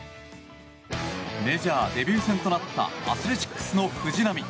メジャーデビュー戦となったアスレチックスの藤浪。